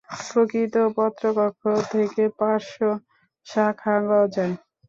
প্রতিটি পত্রকক্ষ থেকে পার্শ্বশাখা গজায়।